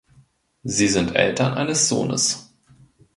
Sie sind Eltern eines Sohnes.